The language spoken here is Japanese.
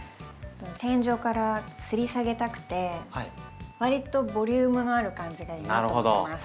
天井からつり下げたくてわりとボリュームのある感じがいいなと思います。